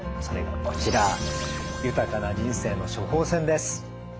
それがこちら「豊かな人生の処方せん」です。